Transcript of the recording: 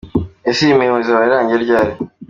Ese iyi mirimo izaba yarangiye ryari?.